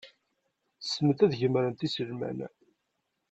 Ssnent ad gemrent iselman.